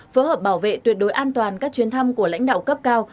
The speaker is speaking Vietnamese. phối hợp bảo vệ tuyệt đối an toàn các chuyến thăm của lãnh đạo cấp cao